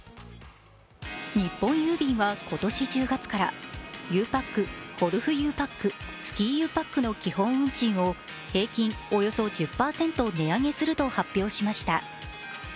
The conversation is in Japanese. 日本郵便は今年１０月からゆうパック、ゴルフゆうパック、スキーゆうパックの基本運賃を平均およそ１０％値上げすると発表しました。